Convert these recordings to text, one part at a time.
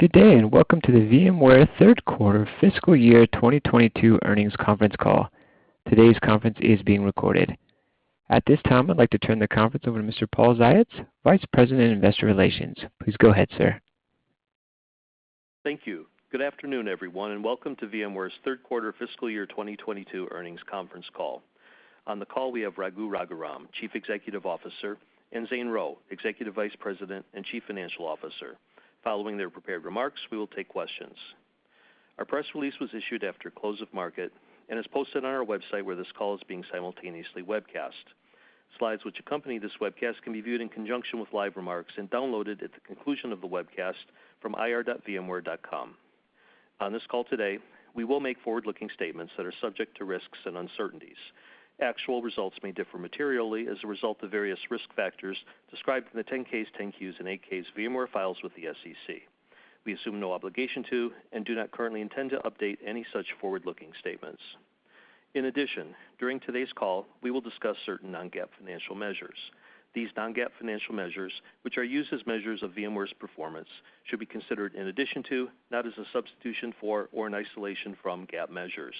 Good day, and welcome to the VMware Third Quarter Fiscal Year 2022 Earnings Conference Call. Today's conference is being recorded. At this time, I'd like to turn the conference over to Mr. Paul Ziots, Vice President, Investor Relations. Please go ahead, sir. Thank you. Good afternoon, everyone, and welcome to VMware's third quarter fiscal year 2022 earnings conference call. On the call, we have Raghu Raghuram, Chief Executive Officer, and Zane Rowe, Executive Vice President and Chief Financial Officer. Following their prepared remarks, we will take questions. Our press release was issued after close of market and is posted on our website, where this call is being simultaneously webcast. Slides which accompany this webcast can be viewed in conjunction with live remarks and downloaded at the conclusion of the webcast from ir.vmware.com. On this call today, we will make forward-looking statements that are subject to risks and uncertainties. Actual results may differ materially as a result of various risk factors described in the 10-Ks, 10-Qs, and 8-Ks VMware files with the SEC. We assume no obligation to and do not currently intend to update any such forward-looking statements. In addition, during today's call, we will discuss certain non-GAAP financial measures. These non-GAAP financial measures, which are used as measures of VMware's performance, should be considered in addition to, not as a substitution for or an isolation from GAAP measures.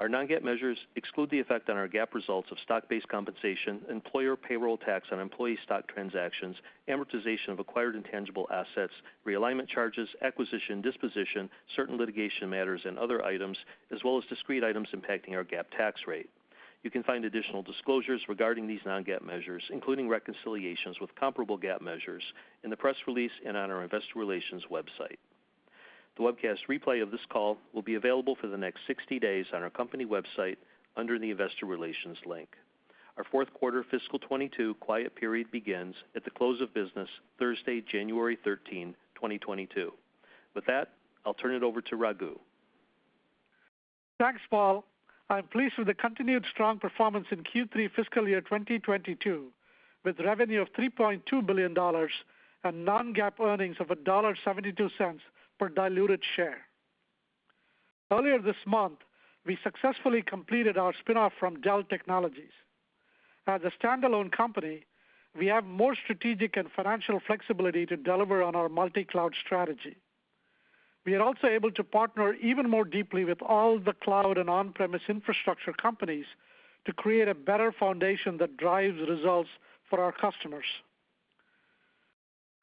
Our non-GAAP measures exclude the effect on our GAAP results of stock-based compensation, employer payroll tax on employee stock transactions, amortization of acquired intangible assets, realignment charges, acquisition, disposition, certain litigation matters and other items, as well as discrete items impacting our GAAP tax rate. You can find additional disclosures regarding these non-GAAP measures, including reconciliations with comparable GAAP measures in the press release and on our investor relations website. The webcast replay of this call will be available for the next 60 days on our company website under the Investor Relations link. Our fourth quarter fiscal 2022 quiet period begins at the close of business Thursday, January 13, 2022. With that, I'll turn it over to Raghu. Thanks, Paul. I'm pleased with the continued strong performance in Q3 fiscal year 2022, with revenue of $3.2 billion and non-GAAP earnings of $1.72 per diluted share. Earlier this month, we successfully completed our spin-off from Dell Technologies. As a standalone company, we have more strategic and financial flexibility to deliver on our multi-cloud strategy. We are also able to partner even more deeply with all the cloud and on-premise infrastructure companies to create a better foundation that drives results for our customers.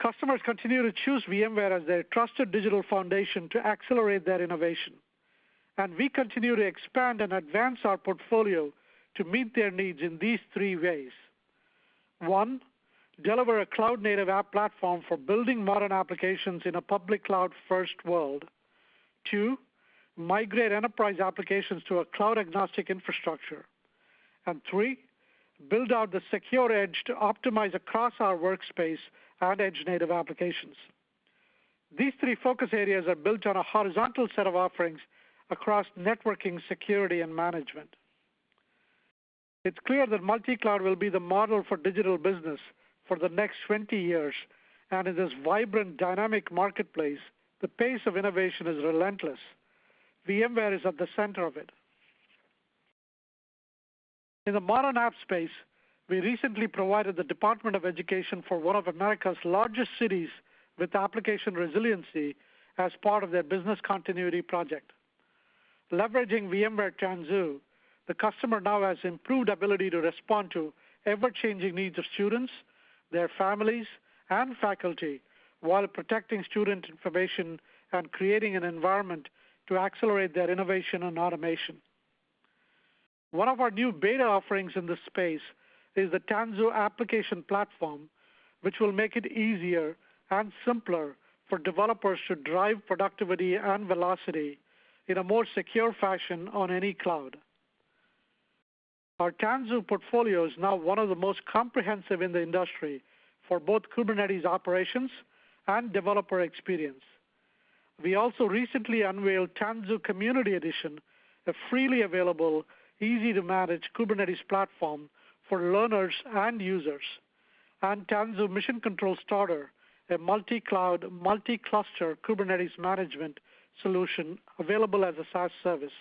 Customers continue to choose VMware as their trusted digital foundation to accelerate their innovation, and we continue to expand and advance our portfolio to meet their needs in these three ways. One, deliver a cloud native app platform for building modern applications in a public cloud first world. Two, migrate enterprise applications to a cloud agnostic infrastructure. Three, build out the secure edge to optimize across our workspace and edge native applications. These three focus areas are built on a horizontal set of offerings across networking, security, and management. It's clear that multi-cloud will be the model for digital business for the next 20 years, and in this vibrant, dynamic marketplace, the pace of innovation is relentless. VMware is at the center of it. In the modern app space, we recently provided the Department of Education for one of America's largest cities with application resiliency as part of their business continuity project. Leveraging VMware Tanzu, the customer now has improved ability to respond to ever-changing needs of students, their families, and faculty while protecting student information and creating an environment to accelerate their innovation and automation. One of our new beta offerings in this space is the Tanzu Application Platform, which will make it easier and simpler for developers to drive productivity and velocity in a more secure fashion on any cloud. Our Tanzu portfolio is now one of the most comprehensive in the industry for both Kubernetes operations and developer experience. We also recently unveiled Tanzu Community Edition, a freely available, easy to manage Kubernetes platform for learners and users, and Tanzu Mission Control Starter, a multi-cloud, multi-cluster Kubernetes management solution available as a SaaS service.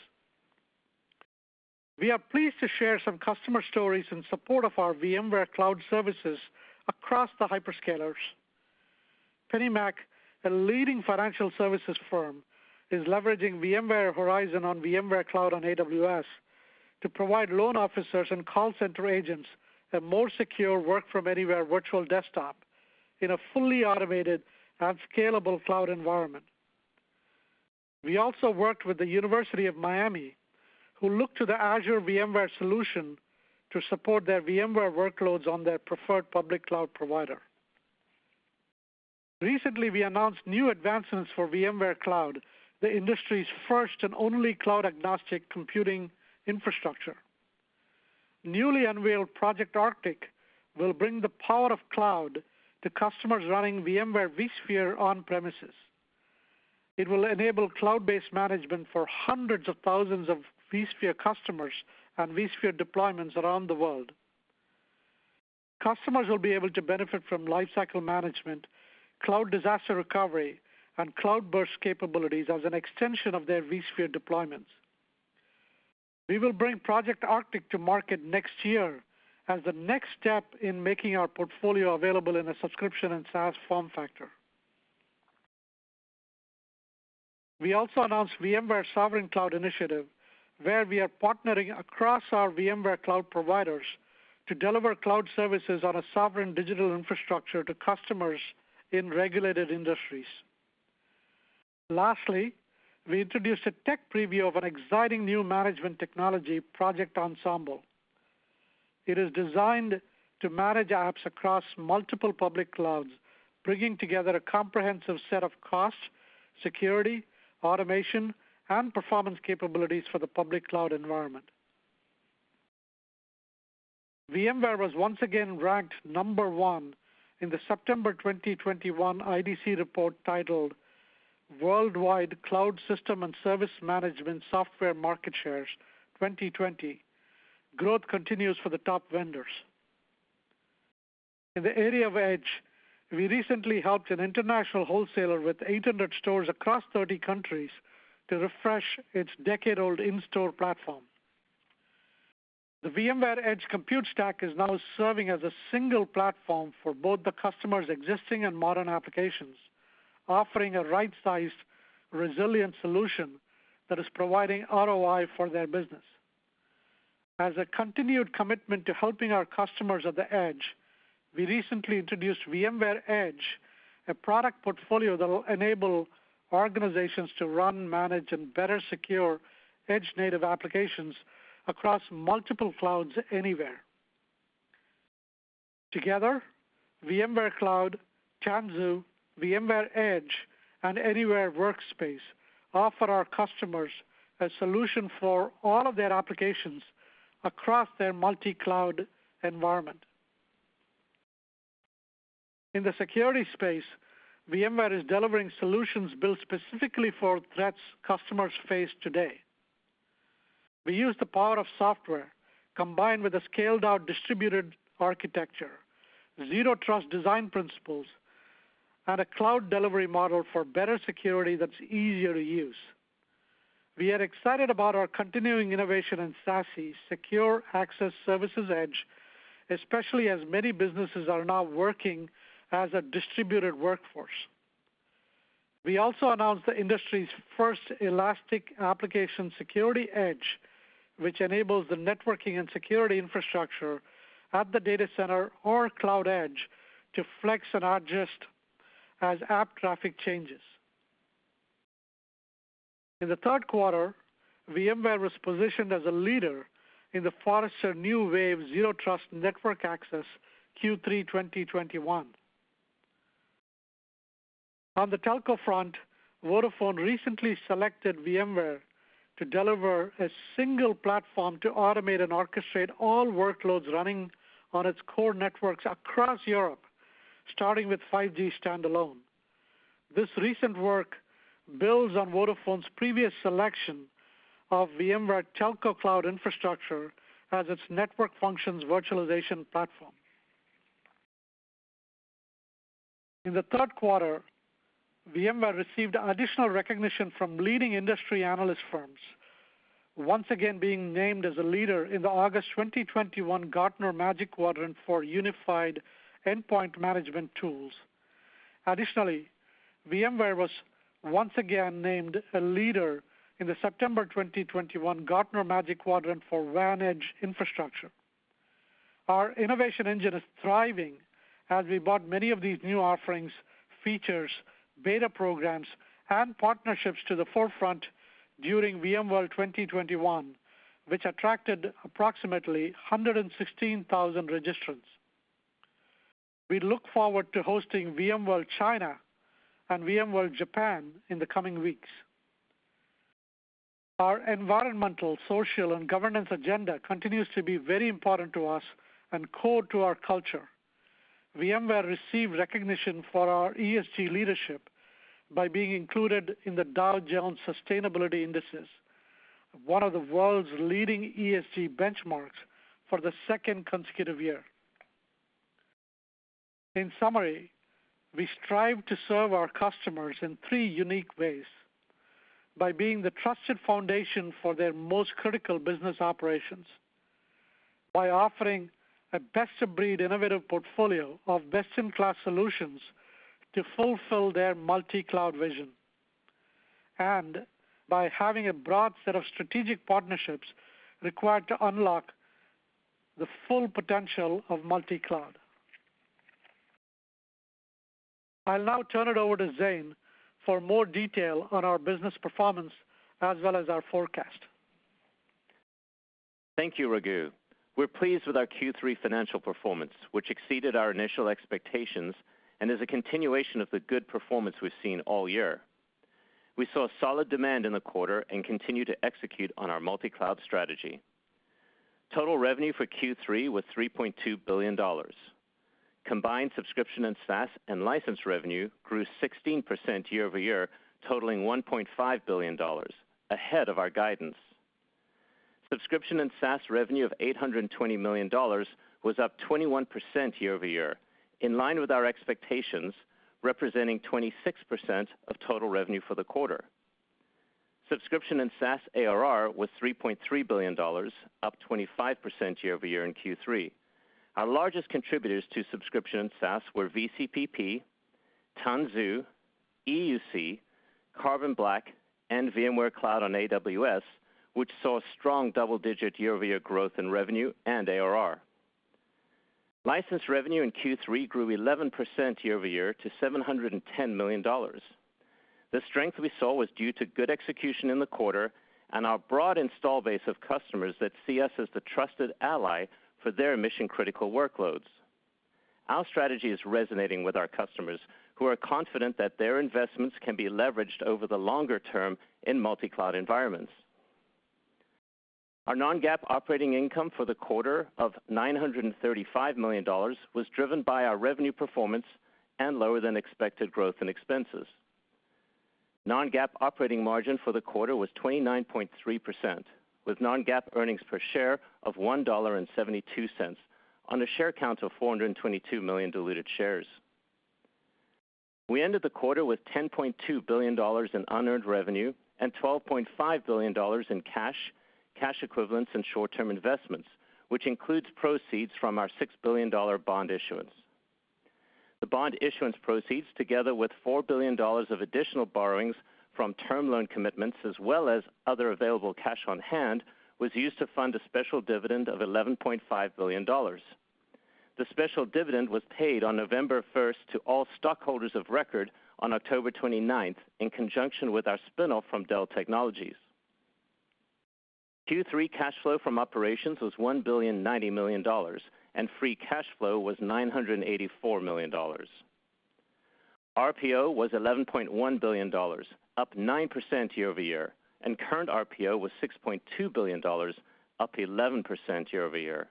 We are pleased to share some customer stories in support of our VMware Cloud services across the hyperscalers. PennyMac, a leading financial services firm, is leveraging VMware Horizon on VMware Cloud on AWS to provide loan officers and call center agents a more secure work from anywhere virtual desktop in a fully automated and scalable cloud environment. We also worked with the University of Miami, who looked to the Azure VMware Solution to support their VMware workloads on their preferred public cloud provider. Recently, we announced new advancements for VMware Cloud, the industry's first and only cloud-agnostic computing infrastructure. Newly unveiled Project Arctic will bring the power of cloud to customers running VMware vSphere on-premises. It will enable cloud-based management for hundreds of thousands of vSphere customers and vSphere deployments around the world. Customers will be able to benefit from lifecycle management, cloud disaster recovery, and cloud burst capabilities as an extension of their vSphere deployments. We will bring Project Arctic to market next year as the next step in making our portfolio available in a subscription and SaaS form factor. We also announced VMware Sovereign Cloud Initiative, where we are partnering across our VMware cloud providers to deliver cloud services on a sovereign digital infrastructure to customers in regulated industries. Lastly, we introduced a tech preview of an exciting new management technology, Project Ensemble. It is designed to manage apps across multiple public clouds, bringing together a comprehensive set of cost, security, automation, and performance capabilities for the public cloud environment. VMware was once again ranked number one in the September 2021 IDC report titled Worldwide Cloud System and Service Management Software Market Shares, 2020. Growth continues for the top vendors. In the area of Edge, we recently helped an international wholesaler with 800 stores across 30 countries to refresh its decade-old in-store platform. The VMware Edge Compute Stack is now serving as a single platform for both the customer's existing and modern applications, offering a right-sized, resilient solution that is providing ROI for their business. As a continued commitment to helping our customers at the Edge, we recently introduced VMware Edge, a product portfolio that will enable organizations to run, manage, and better secure edge native applications across multiple clouds anywhere. Together, VMware Cloud, Tanzu, VMware Edge, and Anywhere Workspace offer our customers a solution for all of their applications across their multi-cloud environment. In the security space, VMware is delivering solutions built specifically for threats customers face today. We use the power of software combined with a scaled-out distributed architecture, Zero Trust design principles, and a cloud delivery model for better security that's easier to use. We are excited about our continuing innovation in SASE, Secure Access Services Edge, especially as many businesses are now working as a distributed workforce. We also announced the industry's first elastic application security edge, which enables the networking and security infrastructure at the data center or cloud edge to flex and adjust as app traffic changes. In the third quarter, VMware was positioned as a leader in the Forrester New Wave Zero Trust Network Access Q3 2021. On the telco front, Vodafone recently selected VMware to deliver a single platform to automate and orchestrate all workloads running on its core networks across Europe, starting with 5G standalone. This recent work builds on Vodafone's previous selection of VMware Telco Cloud Infrastructure as its network functions virtualization platform. In the third quarter, VMware received additional recognition from leading industry analyst firms, once again being named as a leader in the August 2021 Gartner Magic Quadrant for unified endpoint management tools. Additionally, VMware was once again named a leader in the September 2021 Gartner Magic Quadrant for WAN edge infrastructure. Our innovation engine is thriving as we brought many of these new offerings, features, beta programs, and partnerships to the forefront during VMworld 2021, which attracted approximately 116,000 registrants. We look forward to hosting VMworld China and VMworld Japan in the coming weeks. Our environmental, social, and governance agenda continues to be very important to us and core to our culture. VMware received recognition for our ESG leadership by being included in the Dow Jones Sustainability Indices, one of the world's leading ESG benchmarks, for the second consecutive year. In summary, we strive to serve our customers in three unique ways. By being the trusted foundation for their most critical business operations, by offering a best of breed innovative portfolio of best-in-class solutions to fulfill their multi-cloud vision, and by having a broad set of strategic partnerships required to unlock the full potential of multi-cloud. I'll now turn it over to Zane for more detail on our business performance as well as our forecast. Thank you, Raghu. We're pleased with our Q3 financial performance, which exceeded our initial expectations and is a continuation of the good performance we've seen all year. We saw solid demand in the quarter and continue to execute on our multi-cloud strategy. Total revenue for Q3 was $3.2 billion. Combined subscription and SaaS and license revenue grew 16% year-over-year, totaling $1.5 billion, ahead of our guidance. Subscription and SaaS revenue of $820 million was up 21% year-over-year. In line with our expectations, representing 26% of total revenue for the quarter. Subscription and SaaS ARR was $3.3 billion, up 25% year-over-year in Q3. Our largest contributors to subscription and SaaS were VCPP, Tanzu, EUC, Carbon Black, and VMware Cloud on AWS, which saw strong double-digit year-over-year growth in revenue and ARR. License revenue in Q3 grew 11% year-over-year to $710 million. The strength we saw was due to good execution in the quarter and our broad install base of customers that see us as the trusted ally for their mission-critical workloads. Our strategy is resonating with our customers, who are confident that their investments can be leveraged over the longer term in multi-cloud environments. Our non-GAAP operating income for the quarter of $935 million was driven by our revenue performance and lower than expected growth in expenses. Non-GAAP operating margin for the quarter was 29.3% with non-GAAP earnings per share of $1.72 on a share count of 422 million diluted shares. We ended the quarter with $10.2 billion in unearned revenue and $12.5 billion in cash equivalents, and short-term investments, which includes proceeds from our $6 billion bond issuance. The bond issuance proceeds, together with $4 billion of additional borrowings from term loan commitments as well as other available cash on hand, was used to fund a special dividend of $11.5 billion. The special dividend was paid on November first to all stockholders of record on October twenty-ninth in conjunction with our spin-off from Dell Technologies. Q3 cash flow from operations was $1.09 billion, and free cash flow was $984 million. RPO was $11.1 billion, up 9% year-over-year, and current RPO was $6.2 billion, up 11% year-over-year.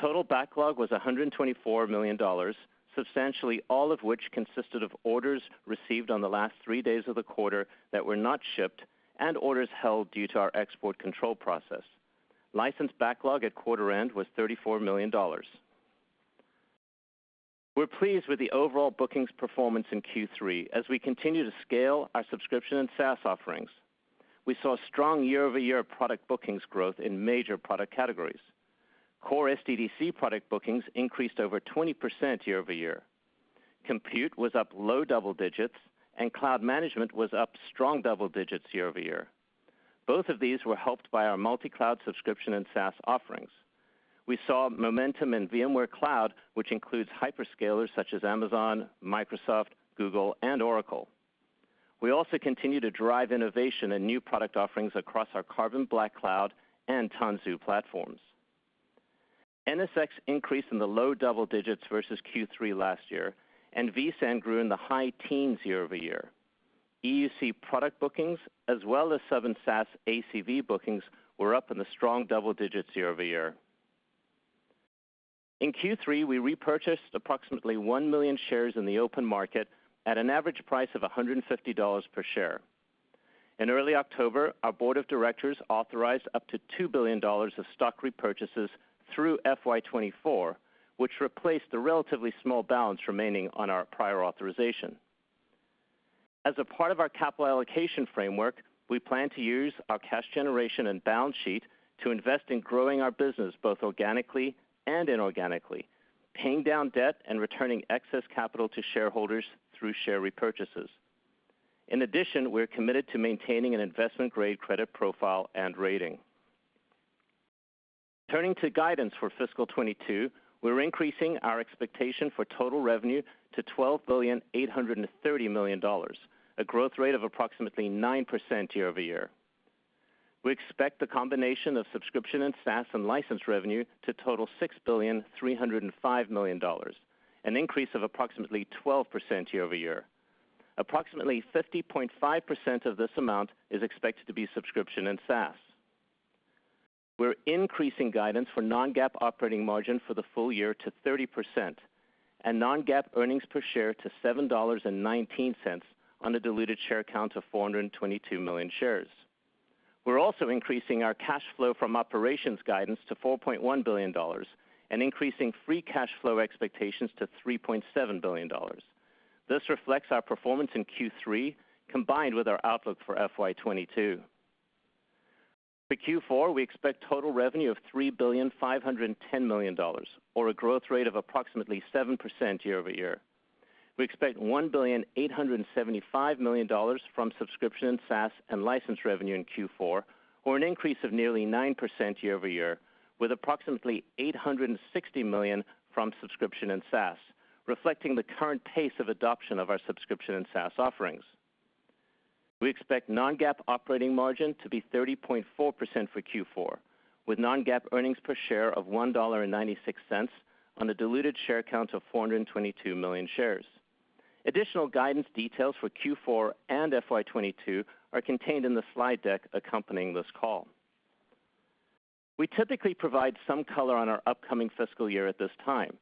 Total backlog was $124 million, substantially all of which consisted of orders received on the last three days of the quarter that were not shipped and orders held due to our export control process. License backlog at quarter end was $34 million. We're pleased with the overall bookings performance in Q3 as we continue to scale our subscription and SaaS offerings. We saw strong year-over-year product bookings growth in major product categories. Core SDDC product bookings increased over 20% year-over-year. Compute was up low double digits, and cloud management was up strong double digits year-over-year. Both of these were helped by our multi-cloud subscription and SaaS offerings. We saw momentum in VMware Cloud, which includes hyperscalers such as Amazon, Microsoft, Google, and Oracle. We also continue to drive innovation and new product offerings across our Carbon Black Cloud and Tanzu platforms. NSX increased in the low double digits versus Q3 last year, and vSAN grew in the high teens year-over-year. EUC product bookings as well as SaaS ACV bookings were up in the strong double digits year-over-year. In Q3, we repurchased approximately 1 million shares in the open market at an average price of $150 per share. In early October, our board of directors authorized up to $2 billion of stock repurchases through FY 2024, which replaced the relatively small balance remaining on our prior authorization. As a part of our capital allocation framework, we plan to use our cash generation and balance sheet to invest in growing our business, both organically and inorganically, paying down debt and returning excess capital to shareholders through share repurchases. In addition, we are committed to maintaining an investment-grade credit profile and rating. Turning to guidance for fiscal 2022, we're increasing our expectation for total revenue to $12.83 billion, a growth rate of approximately 9% year-over-year. We expect the combination of subscription and SaaS and license revenue to total $6.305 billion, an increase of approximately 12% year-over-year. Approximately 50.5% of this amount is expected to be subscription and SaaS. We're increasing guidance for non-GAAP operating margin for the full year to 30% and non-GAAP earnings per share to $7.19 on a diluted share count of 422 million shares. We're also increasing our cash flow from operations guidance to $4.1 billion and increasing free cash flow expectations to $3.7 billion. This reflects our performance in Q3, combined with our outlook for FY 2022. For Q4, we expect total revenue of $3.51 billion, or a growth rate of approximately 7% year-over-year. We expect $1.875 billion from subscription, SaaS, and license revenue in Q4, or an increase of nearly 9% year-over-year, with approximately $860 million from subscription and SaaS, reflecting the current pace of adoption of our subscription and SaaS offerings. We expect non-GAAP operating margin to be 30.4% for Q4, with non-GAAP earnings per share of $1.96 on a diluted share count of 422 million shares. Additional guidance details for Q4 and FY 2022 are contained in the slide deck accompanying this call. We typically provide some color on our upcoming fiscal year at this time.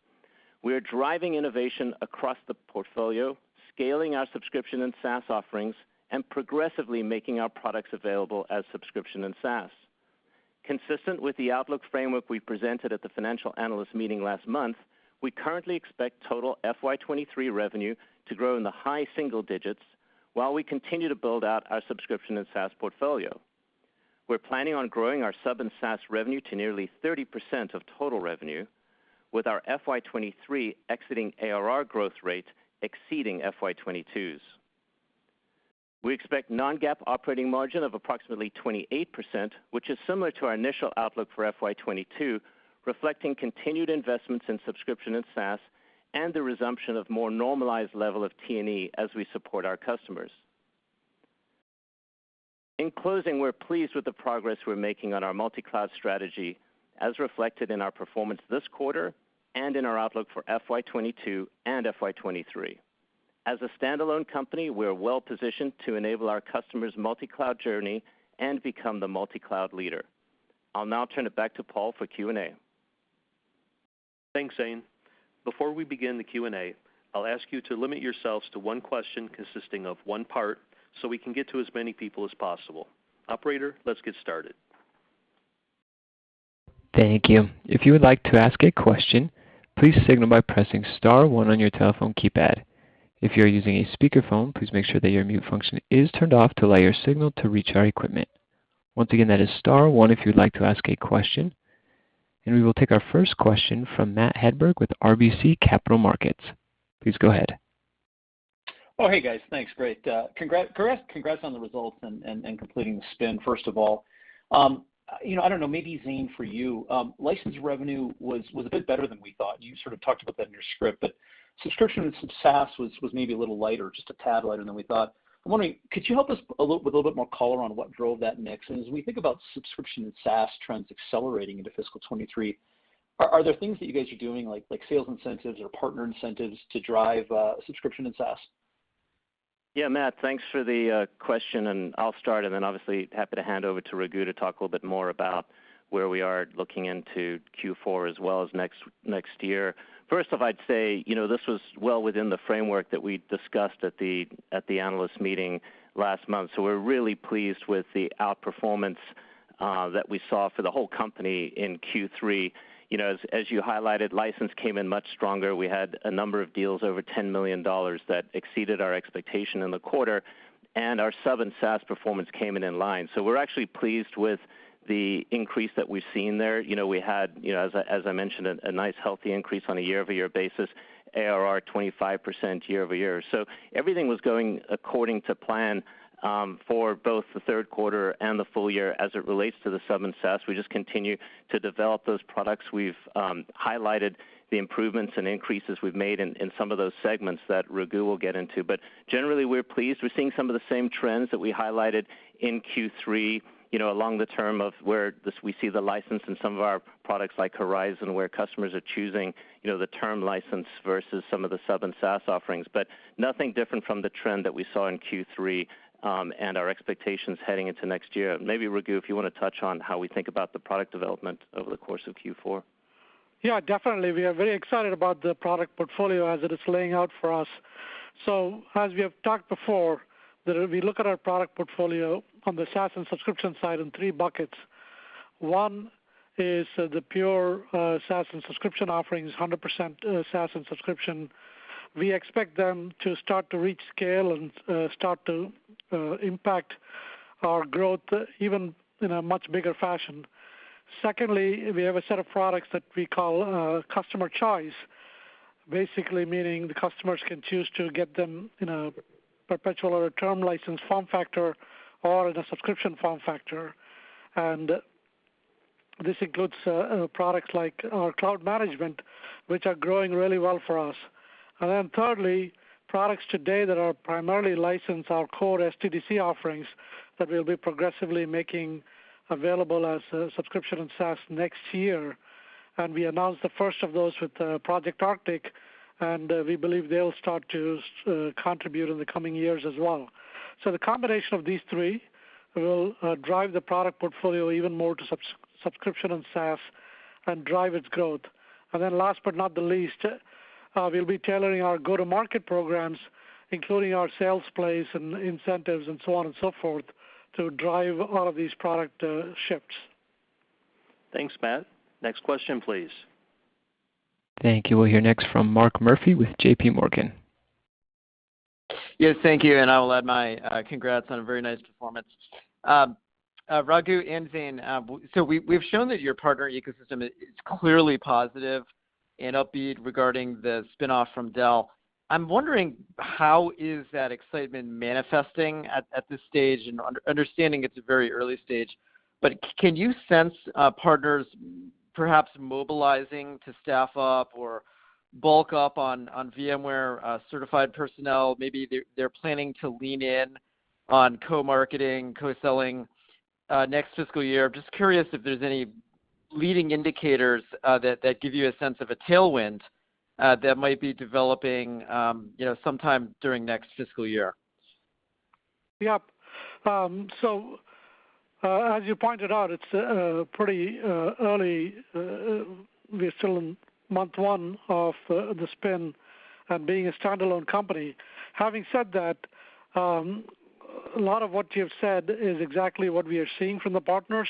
We are driving innovation across the portfolio, scaling our subscription and SaaS offerings, and progressively making our products available as subscription and SaaS. Consistent with the outlook framework we presented at the financial analyst meeting last month, we currently expect total FY 2023 revenue to grow in the high single digits while we continue to build out our subscription and SaaS portfolio. We're planning on growing our sub and SaaS revenue to nearly 30% of total revenue with our FY 2023 exiting ARR growth rate exceeding FY 2022's. We expect non-GAAP operating margin of approximately 28%, which is similar to our initial outlook for FY 2022, reflecting continued investments in subscription and SaaS and the resumption of more normalized level of T&E as we support our customers. In closing, we're pleased with the progress we're making on our multi-cloud strategy, as reflected in our performance this quarter and in our outlook for FY 2022 and FY 2023. As a standalone company, we are well-positioned to enable our customers' multi-cloud journey and become the multi-cloud leader. I'll now turn it back to Paul for Q&A. Thanks, Zane. Before we begin the Q&A, I'll ask you to limit yourselves to one question consisting of one part, so we can get to as many people as possible. Operator, let's get started. Thank you. If you would like to ask a question, please signal by pressing star one on your telephone keypad. If you're using a speakerphone, please make sure that your mute function is turned off to allow your signal to reach our equipment. Once again, that is star one if you'd like to ask a question. We will take our first question from Matt Hedberg with RBC Capital Markets. Please go ahead. Oh, hey, guys. Thanks. Great. Congrats on the results and completing the spin, first of all. You know, I don't know, maybe Zane for you, license revenue was a bit better than we thought. You sort of talked about that in your script, but subscription and some SaaS was maybe a little lighter, just a tad lighter than we thought. I'm wondering, could you help us a little with a little bit more color on what drove that mix? As we think about subscription and SaaS trends accelerating into fiscal 2023, are there things that you guys are doing like sales incentives or partner incentives to drive subscription and SaaS? Yeah, Matt, thanks for the question, and I'll start, and then obviously happy to hand over to Raghu to talk a little bit more about where we are looking into Q4 as well as next year. First off, I'd say, you know, this was well within the framework that we discussed at the analyst meeting last month. We're really pleased with the outperformance that we saw for the whole company in Q3. You know, as you highlighted, license came in much stronger. We had a number of deals over $10 million that exceeded our expectation in the quarter, and our sub and SaaS performance came in line. We're actually pleased with the increase that we've seen there. You know, we had, you know, as I mentioned, a nice healthy increase on a year-over-year basis, ARR 25% year-over-year. Everything was going according to plan for both the third quarter and the full year as it relates to the sub and SaaS. We just continue to develop those products. We've highlighted the improvements and increases we've made in some of those segments that Raghu will get into. Generally, we're pleased. We're seeing some of the same trends that we highlighted in Q3, you know, in terms of where we see the licensing in some of our products like Horizon, where customers are choosing, you know, the term license versus some of the sub and SaaS offerings. Nothing different from the trend that we saw in Q3 and our expectations heading into next year. Maybe Raghu, if you wanna touch on how we think about the product development over the course of Q4. Yeah, definitely. We are very excited about the product portfolio as it is laying out for us. As we have talked before, that if we look at our product portfolio on the SaaS and subscription side in three buckets. One is the pure SaaS and subscription offerings, 100% SaaS and subscription. We expect them to start to reach scale and impact our growth even in a much bigger fashion. Secondly, we have a set of products that we call customer choice, basically meaning the customers can choose to get them in a perpetual or a term license form factor or the subscription form factor. This includes products like our cloud management, which are growing really well for us. Thirdly, products today that are primarily licensed, our core SDDC offerings that we'll be progressively making available as subscription and SaaS next year. We announced the first of those with Project Arctic, and we believe they'll start to contribute in the coming years as well. The combination of these three will drive the product portfolio even more to subscription and SaaS and drive its growth. Last but not the least, we'll be tailoring our go-to-market programs, including our sales plays and incentives and so on and so forth, to drive all of these product shifts. Thanks, Matt. Next question, please. Thank you. We'll hear next from Mark Murphy with JPMorgan. Yes, thank you, and I will add my congrats on a very nice performance. Raghu and Zane, so we've shown that your partner ecosystem is clearly positive and upbeat regarding the spin-off from Dell. I'm wondering how is that excitement manifesting at this stage? Understanding it's a very early stage, but can you sense partners perhaps mobilizing to staff up or bulk up on VMware certified personnel? Maybe they're planning to lean in on co-marketing, co-selling next fiscal year. Just curious if there's any leading indicators that give you a sense of a tailwind that might be developing, you know, sometime during next fiscal year. Yep. So, as you pointed out, it's pretty early. We're still in month one of the spin and being a standalone company. Having said that, a lot of what you've said is exactly what we are seeing from the partners.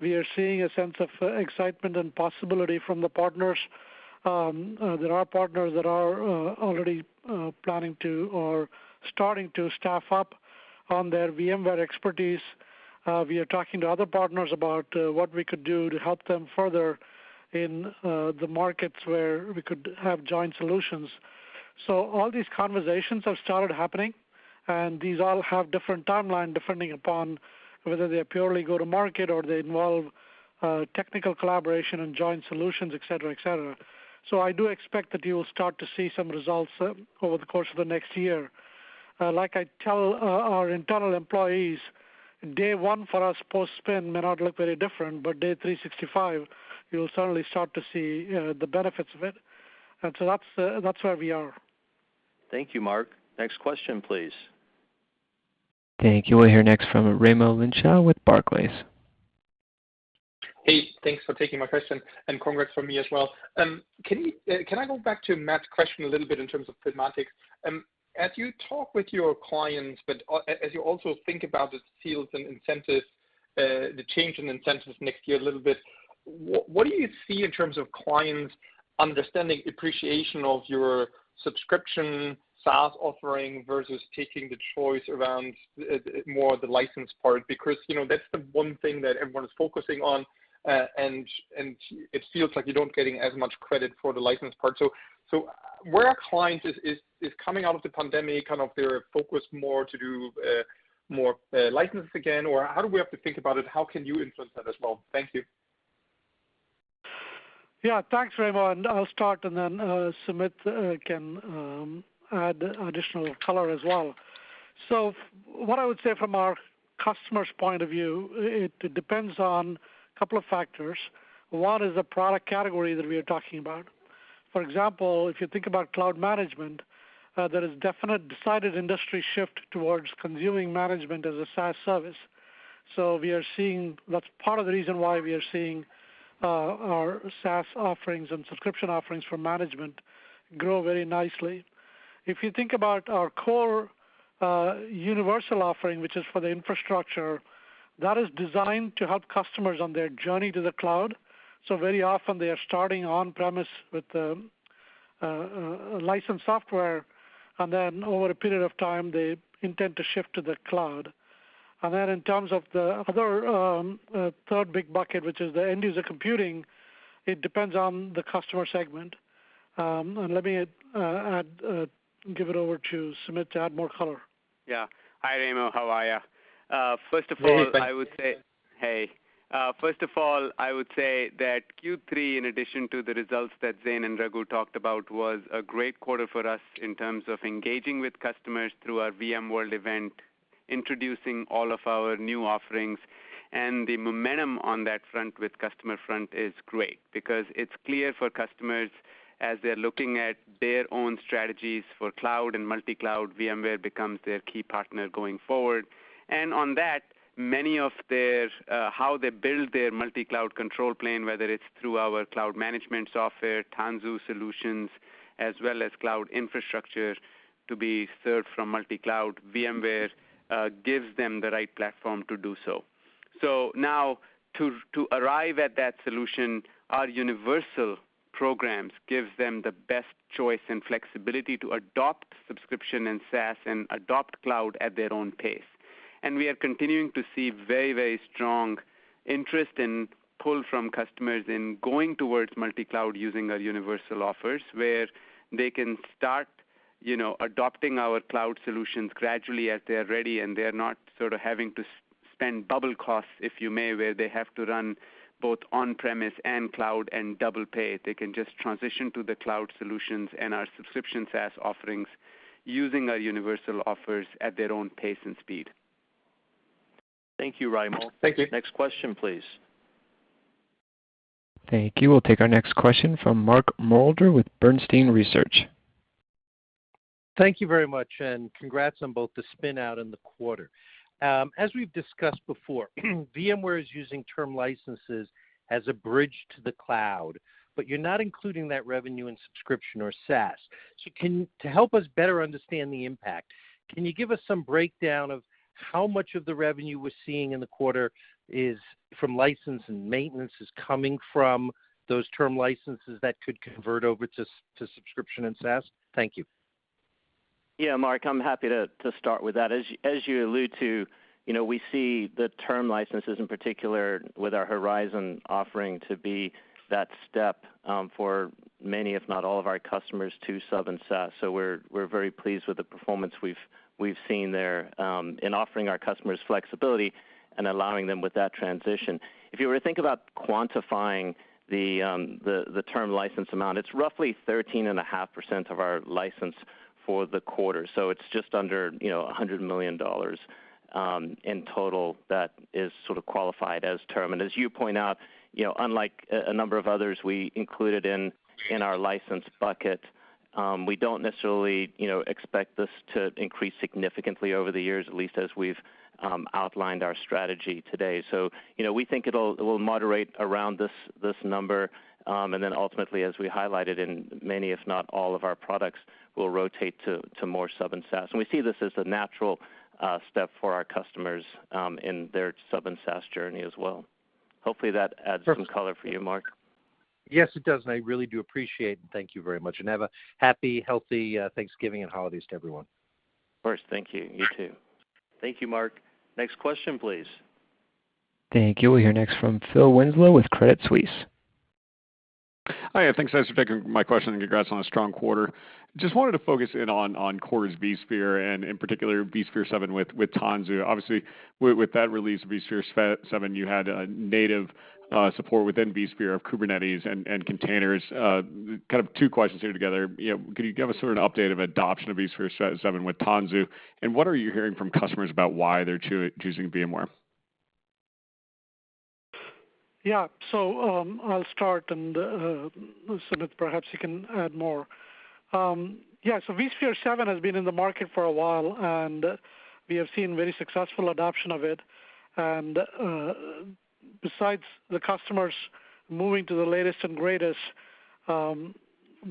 We are seeing a sense of excitement and possibility from the partners. There are partners that are already planning to or starting to staff up on their VMware expertise. We are talking to other partners about what we could do to help them further in the markets where we could have joint solutions. All these conversations have started happening, and these all have different timeline, depending upon whether they purely go to market or they involve technical collaboration and joint solutions, et cetera, et cetera. I do expect that you will start to see some results over the course of the next year. Like I tell our internal employees, day one for us post-spin may not look very different, but day 365, you'll certainly start to see the benefits of it. That's where we are. Thank you, Mark. Next question, please. Thank you. We'll hear next from Raimo Lenschow with Barclays. Hey, thanks for taking my question, and congrats from me as well. Can I go back to Matt's question a little bit in terms of Prismatic? As you talk with your clients, as you also think about the deals and incentives, the change in incentives next year a little bit, what do you see in terms of clients understanding appreciation of your subscription SaaS offering versus taking the choice around more the license part? Because, you know, that's the one thing that everyone is focusing on, and it feels like you're not getting as much credit for the license part. Where are clients coming out of the pandemic, kind of their focus more to do more license again? Or how do we have to think about it? How can you influence that as well? Thank you. Yeah. Thanks, Raimo. I'll start, and then Sumit can add additional color as well. What I would say from our customer's point of view, it depends on a couple of factors. One is the product category that we are talking about. For example, if you think about cloud management, there is definite decided industry shift towards consuming management as a SaaS service. We are seeing. That's part of the reason why we are seeing our SaaS offerings and subscription offerings for management grow very nicely. If you think about our core universal offering, which is for the infrastructure, that is designed to help customers on their journey to the cloud. Very often they are starting on-premises with the licensed software, and then over a period of time, they intend to shift to the cloud. Then in terms of the other third big bucket, which is the End-User Computing, it depends on the customer segment. Let me give it over to Sumit to add more color. Yeah. Hi, Raimo. How are you? First of all, I would say. Hey. First of all, I would say that Q3, in addition to the results that Zane and Raghu talked about, was a great quarter for us in terms of engaging with customers through our VMworld event, introducing all of our new offerings. The momentum on that front with customer front is great because it's clear for customers as they're looking at their own strategies for cloud and multi-cloud, VMware becomes their key partner going forward. On that, many of their how they build their multi-cloud control plane, whether it's through our cloud management software, Tanzu solutions, as well as cloud infrastructure to be served from multi-cloud, VMware gives them the right platform to do so. Now to arrive at that solution, our universal programs gives them the best choice and flexibility to adopt subscription and SaaS and adopt cloud at their own pace. We are continuing to see very, very strong interest and pull from customers in going towards multi-cloud using our universal offers, where they can start, you know, adopting our cloud solutions gradually as they are ready, and they are not sort of having to spend double costs, if you may, where they have to run both on premise and cloud and double pay. They can just transition to the cloud solutions and our subscription SaaS offerings using our universal offers at their own pace and speed. Thank you, Raimo. Thank you. Next question, please. Thank you. We'll take our next question from Mark Moerdler with Bernstein Research. Thank you very much, and congrats on both the spin out and the quarter. As we've discussed before, VMware is using term licenses as a bridge to the cloud, but you're not including that revenue in subscription or SaaS. To help us better understand the impact, can you give us some breakdown of how much of the revenue we're seeing in the quarter is from license and maintenance is coming from those term licenses that could convert over to subscription and SaaS? Thank you. Yeah. Mark, I'm happy to start with that. As you allude to, you know, we see the term licenses, in particular with our Horizon offering, to be that step for many, if not all, of our customers to sub and SaaS. We're very pleased with the performance we've seen there in offering our customers flexibility and allowing them with that transition. If you were to think about quantifying the term license amount, it's roughly 13.5% of our license for the quarter. It's just under, you know, $100 million in total that is sort of qualified as term. As you point out, you know, unlike a number of others we included in our license bucket, we don't necessarily, you know, expect this to increase significantly over the years, at least as we've we outlined our strategy today. You know, we think it will moderate around this number. Ultimately, as we highlighted in many, if not all of our products, will rotate to more sub and SaaS. We see this as a natural step for our customers in their sub and SaaS journey as well. Hopefully, that adds some color for you, Mark. Yes, it does, and I really do appreciate. Thank you very much. Have a happy, healthy, Thanksgiving and holidays to everyone. Of course. Thank you. You too. Thank you, Mark. Next question, please. Thank you. We'll hear next from Phil Winslow with Credit Suisse. Hi, thanks guys for taking my question, and congrats on a strong quarter. Just wanted to focus in on core vSphere and in particular vSphere 7 with Tanzu. Obviously, with that release, vSphere 7, you had a native support within vSphere of Kubernetes and containers. Kind of two questions here together. You know, could you give us sort of an update of adoption of vSphere 7 with Tanzu? And what are you hearing from customers about why they're choosing VMware? Yeah. I'll start and, Sumit, perhaps you can add more. vSphere 7 has been in the market for a while, and we have seen very successful adoption of it. Besides the customers moving to the latest and greatest, the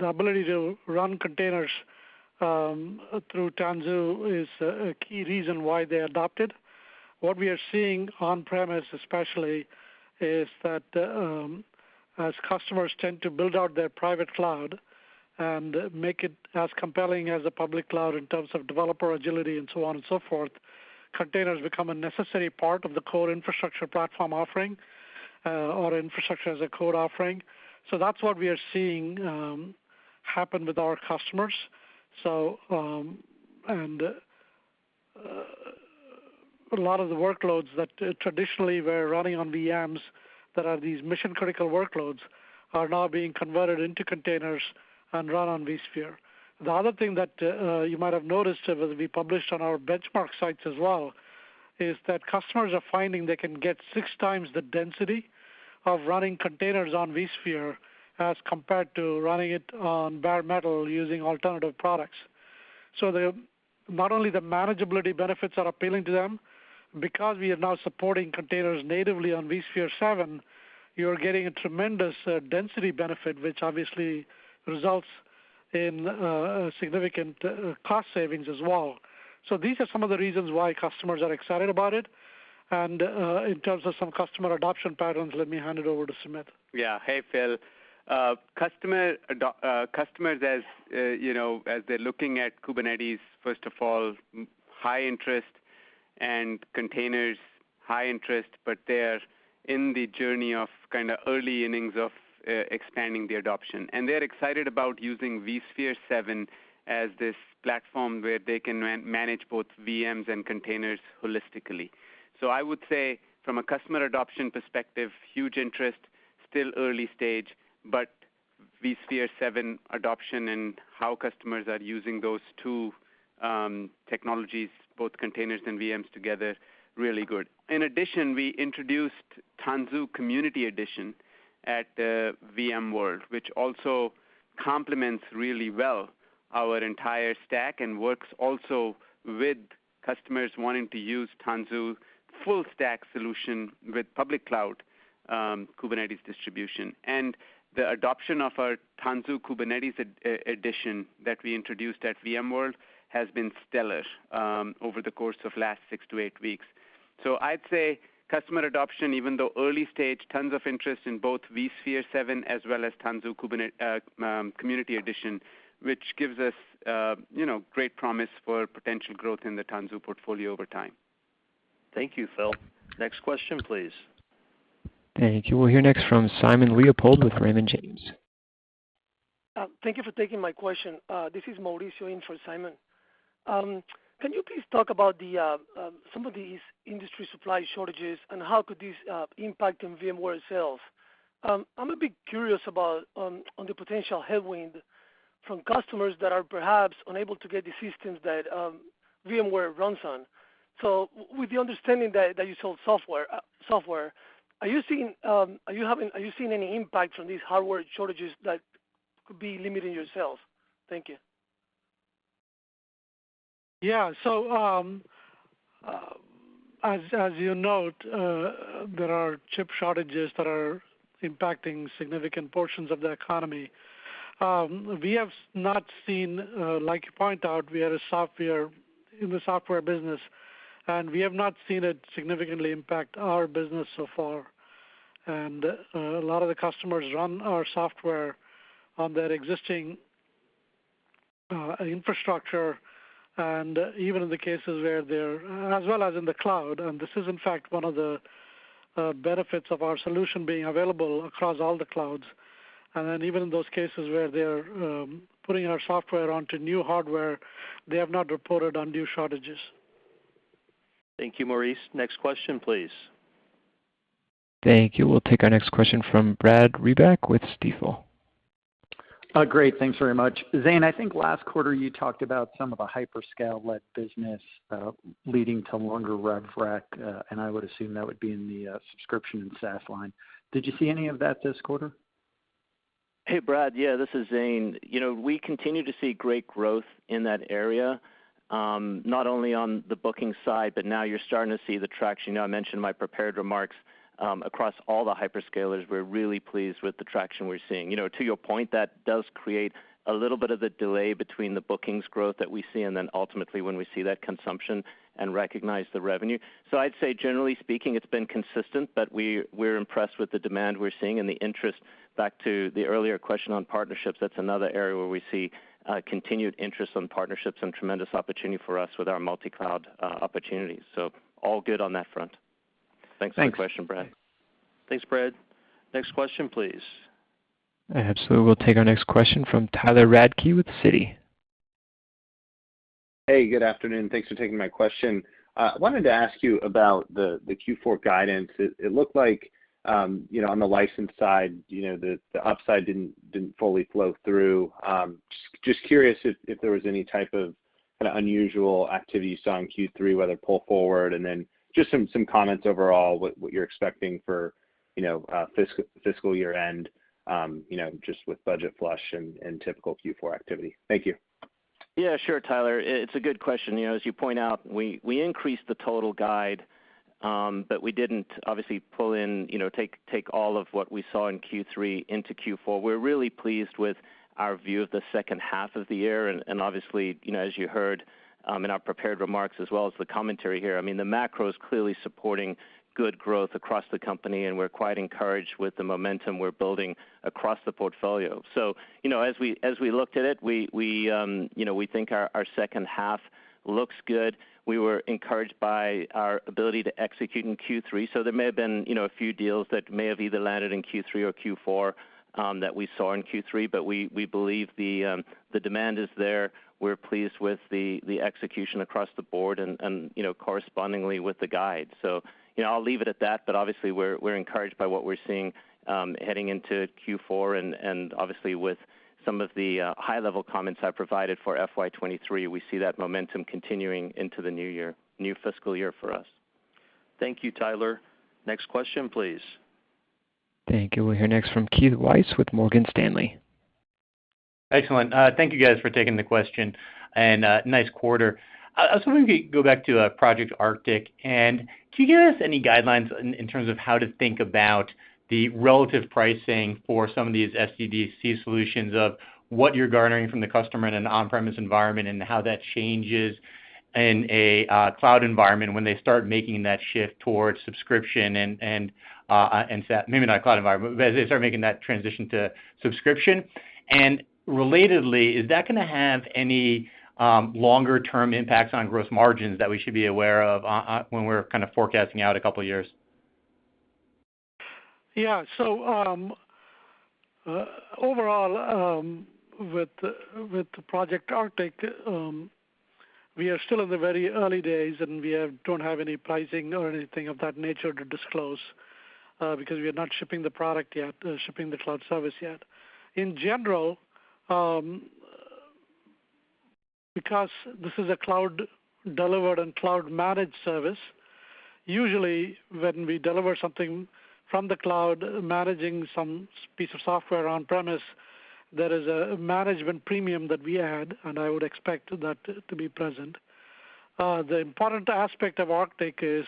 ability to run containers through Tanzu is a key reason why they adopted. What we are seeing on-premises especially is that, as customers tend to build out their private cloud and make it as compelling as a public cloud in terms of developer agility and so on and so forth, containers become a necessary part of the core infrastructure platform offering, or infrastructure as a core offering. That's what we are seeing happen with our customers. A lot of the workloads that traditionally were running on VMs that are these mission critical workloads are now being converted into containers and run on vSphere. The other thing that you might have noticed, as we published on our benchmark sites as well, is that customers are finding they can get 6 times the density of running containers on vSphere as compared to running it on bare metal using alternative products. Not only the manageability benefits are appealing to them, because we are now supporting containers natively on vSphere 7, you're getting a tremendous density benefit, which obviously results in significant cost savings as well. These are some of the reasons why customers are excited about it. In terms of some customer adoption patterns, let me hand it over to Sumit. Yeah. Hey, Phil. Customers, as you know, as they're looking at Kubernetes, first of all, high interest, and containers high interest, but they're in the journey of kind of early innings of expanding the adoption. They're excited about using vSphere 7 as this platform where they can manage both VMs and containers holistically. I would say from a customer adoption perspective, huge interest, still early stage, but vSphere 7 adoption and how customers are using those two technologies, both containers and VMs together, really good. In addition, we introduced Tanzu Community Edition at VMworld, which also complements really well our entire stack and works also with customers wanting to use Tanzu full stack solution with public cloud Kubernetes distribution. The adoption of our Tanzu Community Edition that we introduced at VMworld has been stellar over the course of last six to eight weeks. I'd say customer adoption, even though early stage, tons of interest in both vSphere 7 as well as Tanzu Community Edition, which gives us, you know, great promise for potential growth in the Tanzu portfolio over time. Thank you, Phil. Next question, please. Thank you. We'll hear next from Simon Leopold with Raymond James. Thank you for taking my question. This is Mauricio in for Simon. Can you please talk about some of these industry supply shortages and how could this impact on VMware itself? I'm a bit curious about the potential headwind from customers that are perhaps unable to get the systems that VMware runs on. With the understanding that you sell software, are you seeing any impacts on these hardware shortages that could be limiting your sales? Thank you. As you note, there are chip shortages that are impacting significant portions of the economy. We have not seen, like you point out, we are in the software business, and we have not seen it significantly impact our business so far. A lot of the customers run our software on their existing infrastructure, and even in the cases where they're as well as in the cloud, and this is in fact one of the benefits of our solution being available across all the clouds. Then even in those cases where they are putting our software onto new hardware, they have not reported on new shortages. Thank you, Mauricio. Next question, please. Thank you. We'll take our next question from Brad Reback with Stifel. Great. Thanks very much. Zane, I think last quarter you talked about some of a hyperscale-led business, leading to longer rev rec, and I would assume that would be in the subscription and SaaS line. Did you see any of that this quarter? Hey, Brad. Yeah, this is Zane. You know, we continue to see great growth in that area, not only on the booking side, but now you're starting to see the traction. You know, I mentioned my prepared remarks across all the hyperscalers. We're really pleased with the traction we're seeing. You know, to your point, that does create a little bit of the delay between the bookings growth that we see and then ultimately when we see that consumption and recognize the revenue. I'd say generally speaking, it's been consistent, but we're impressed with the demand we're seeing and the interest. Back to the earlier question on partnerships, that's another area where we see continued interest on partnerships and tremendous opportunity for us with our multi-cloud opportunities. All good on that front. Thanks. Thanks for the question, Brad. Thanks, Brad. Next question, please. Absolutely. We'll take our next question from Tyler Radke with Citi. Hey, good afternoon. Thanks for taking my question. I wanted to ask you about the Q4 guidance. It looked like, you know, on the license side, you know, the upside didn't fully flow through. Just curious if there was any type of kind of unusual activity you saw in Q3, whether pull forward and then just some comments overall what you're expecting for, you know, fiscal year-end, you know, just with budget flush and typical Q4 activity. Thank you. Yeah, sure, Tyler. It's a good question. You know, as you point out, we increased the total guide, but we didn't obviously pull in, you know, take all of what we saw in Q3 into Q4. We're really pleased with our view of the second half of the year and obviously, you know, as you heard, in our prepared remarks as well as the commentary here, I mean, the macro is clearly supporting good growth across the company, and we're quite encouraged with the momentum we're building across the portfolio. You know, as we looked at it, we think our second half looks good. We were encouraged by our ability to execute in Q3, so there may have been, you know, a few deals that may have either landed in Q3 or Q4, that we saw in Q3, but we believe the demand is there. We're pleased with the execution across the board and, you know, correspondingly with the guide. You know, I'll leave it at that, but obviously we're encouraged by what we're seeing, heading into Q4. Obviously with some of the high-level comments I provided for FY 2023, we see that momentum continuing into the new year, new fiscal year for us. Thank you, Tyler. Next question, please. Thank you. We'll hear next from Keith Weiss with Morgan Stanley. Excellent. Thank you guys for taking the question, and nice quarter. I just wanted to go back to Project Arctic. Can you give us any guidelines in terms of how to think about the relative pricing for some of these SDDC solutions of what you're garnering from the customer in an on-premise environment and how that changes in a cloud environment when they start making that shift towards subscription and maybe not a cloud environment, but as they start making that transition to subscription. Relatedly, is that gonna have any longer term impacts on gross margins that we should be aware of when we're kind of forecasting out a couple years? Yeah. Overall, with Project Arctic, we are still in the very early days, and we don't have any pricing or anything of that nature to disclose, because we are not shipping the product yet, shipping the cloud service yet. In general, because this is a cloud-delivered and cloud-managed service, usually when we deliver something from the cloud managing some piece of software on-premises, there is a management premium that we add, and I would expect that to be present. The important aspect of Arctic is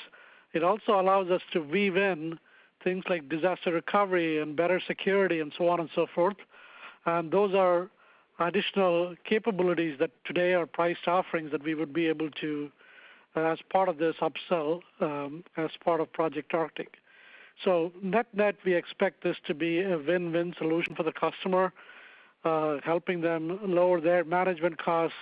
it also allows us to weave in things like disaster recovery and better security and so on and so forth. Those are additional capabilities that today are priced offerings that we would be able to, as part of this upsell, as part of Project Arctic. Net-net, we expect this to be a win-win solution for the customer, helping them lower their management costs,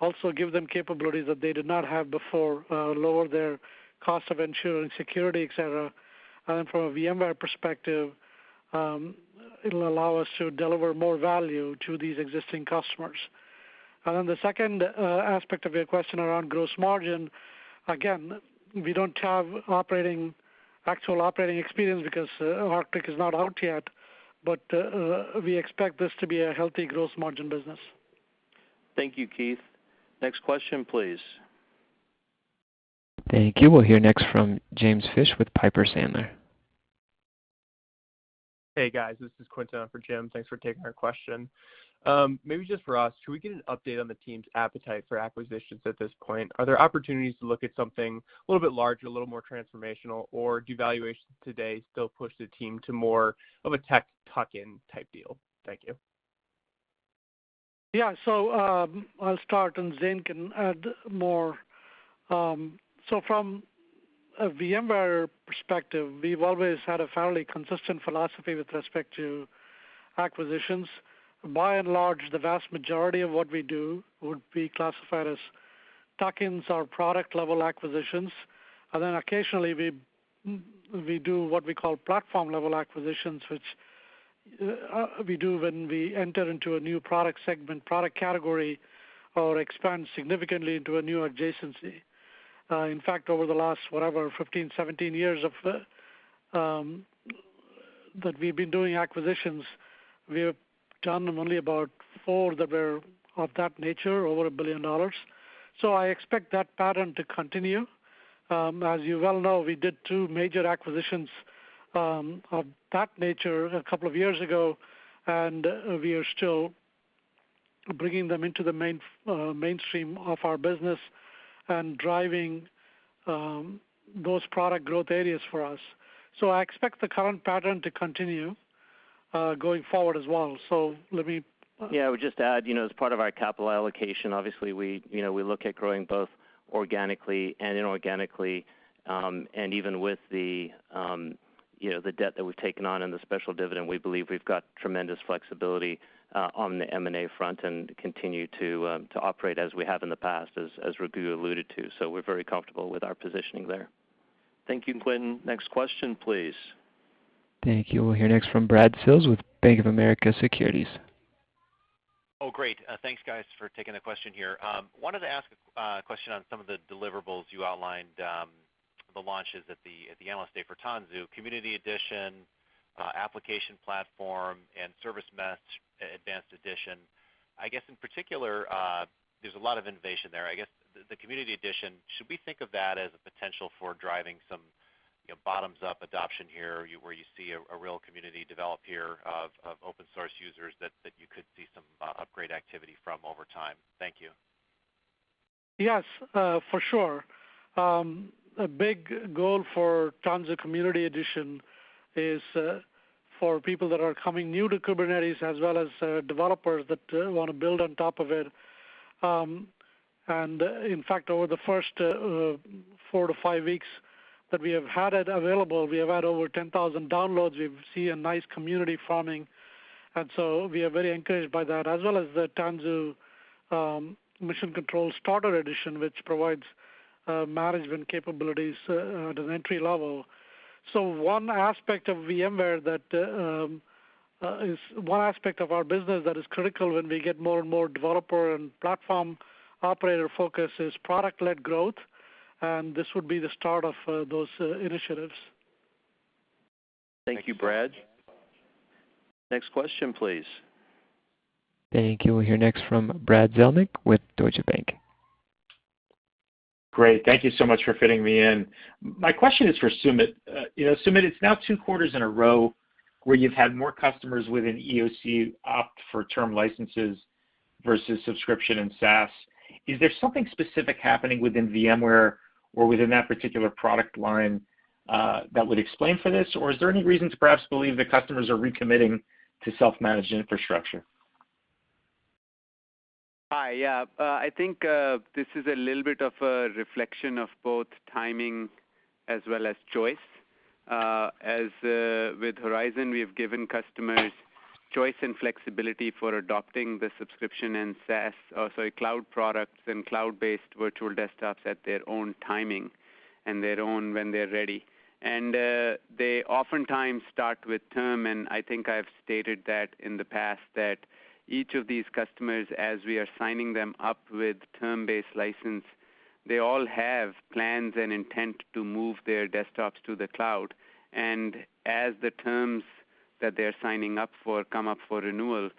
also give them capabilities that they did not have before, lower their cost of insurance, security, et cetera. From a VMware perspective, it'll allow us to deliver more value to these existing customers. Then the second aspect of your question around gross margin, again, we don't have actual operating experience because Arctic is not out yet, but we expect this to be a healthy gross margin business. Thank you, Keith. Next question, please. Thank you. We'll hear next from James Fish with Piper Sandler. Hey, guys. This is Quinton for Jim. Thanks for taking our question. Maybe just for us, can we get an update on the team's appetite for acquisitions at this point? Are there opportunities to look at something a little bit larger, a little more transformational, or do valuations today still push the team to more of a tech tuck-in type deal? Thank you. Yeah. I'll start and Zane can add more. From a VMware perspective, we've always had a fairly consistent philosophy with respect to acquisitions. By and large, the vast majority of what we do would be classified as tuck-ins or product level acquisitions. Then occasionally we do what we call platform level acquisitions, which we do when we enter into a new product segment, product category, or expand significantly into a new adjacency. In fact, over the last, whatever, 15, 17 years that we've been doing acquisitions, we have done only about four that were of that nature, over $1 billion. I expect that pattern to continue. As you well know, we did two major acquisitions of that nature a couple of years ago, and we are still bringing them into the mainstream of our business and driving those product growth areas for us. I expect the current pattern to continue going forward as well. So let me. Yeah, I would just add, you know, as part of our capital allocation, obviously we look at growing both organically and inorganically, and even with the, you know, the debt that we've taken on and the special dividend, we believe we've got tremendous flexibility on the M&A front and continue to operate as we have in the past, as Raghu alluded to. We're very comfortable with our positioning there. Thank you, Quinton. Next question, please. Thank you. We'll hear next from Brad Sills with Bank of America Securities. Oh, great. Thanks guys for taking the question here. Wanted to ask a question on some of the deliverables you outlined, the launches at the Analyst Day for Tanzu Community Edition, Tanzu Application Platform, and Tanzu Service Mesh advanced edition. I guess in particular, there's a lot of innovation there. I guess the Community Edition, should we think of that as a potential for driving some, you know, bottoms-up adoption here, where you see a real community develop here of open source users that you could see some upgrade activity from over time? Thank you. Yes, for sure. A big goal for Tanzu Community Edition is for people that are coming new to Kubernetes as well as developers that wanna build on top of it. In fact, over the first four to five weeks that we have had it available, we have had over 10,000 downloads. We've seen a nice community forming, and we are very encouraged by that, as well as the Tanzu Mission Control Starter Edition, which provides management capabilities at an entry level. One aspect of our business that is critical when we get more and more developer and platform operator focus is product-led growth, and this would be the start of those initiatives. Thank you, Brad. Next question, please. Thank you. We'll hear next from Brad Zelnick with Deutsche Bank. Great. Thank you so much for fitting me in. My question is for Sumit. You know, Sumit, it's now two quarters in a row where you've had more customers within EUC opt for term licenses versus subscription and SaaS. Is there something specific happening within VMware or within that particular product line that would explain for this? Or is there any reason to perhaps believe that customers are recommitting to self-managed infrastructure? I think this is a little bit of a reflection of both timing as well as choice. As with Horizon, we've given customers choice and flexibility for adopting the subscription and SaaS, oh, sorry, cloud products and cloud-based virtual desktops at their own timing and their own when they're ready. They oftentimes start with term, and I think I've stated that in the past, that each of these customers, as we are signing them up with term-based license, they all have plans and intent to move their desktops to the cloud. As the terms that they're signing up for come up for renewal,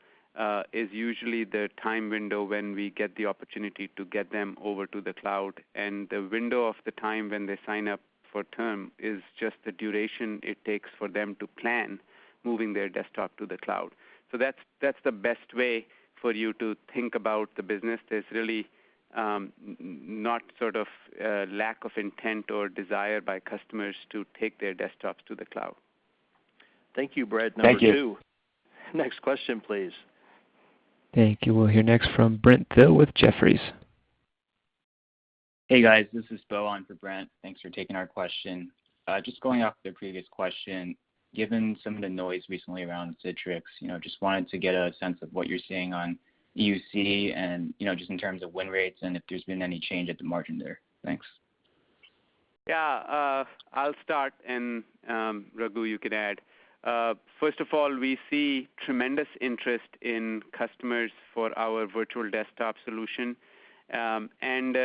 is usually the time window when we get the opportunity to get them over to the cloud. The window of the time when they sign up for term is just the duration it takes for them to plan moving their desktop to the cloud. That's the best way for you to think about the business. There's really not sort of lack of intent or desire by customers to take their desktops to the cloud. Thank you, Brad number two. Thank you. Next question, please. Thank you. We'll hear next from Brent Thill with Jefferies. Hey, guys. This is Bill on for Brent. Thanks for taking our question. Just going off the previous question, given some of the noise recently around Citrix, you know, just wanted to get a sense of what you're seeing on EUC and, you know, just in terms of win rates and if there's been any change at the margin there. Thanks. Yeah, I'll start and, Raghu, you can add. First of all, we see tremendous interest from customers for our virtual desktop solution, and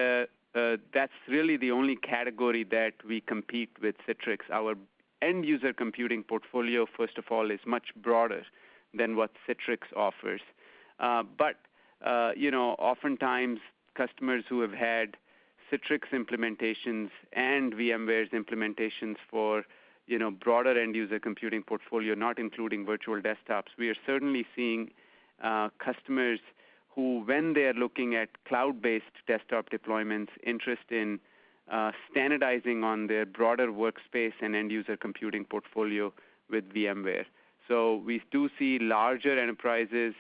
that's really the only category that we compete with Citrix. Our End-User Computing portfolio, first of all, is much broader than what Citrix offers. You know, oftentimes customers who have had Citrix implementations and VMware's implementations for, you know, broader End-User Computing portfolio, not including virtual desktops, we are certainly seeing customers who, when they're looking at cloud-based desktop deployments, interest in standardizing on their broader Workspace and End-User Computing portfolio with VMware. We do see larger enterprises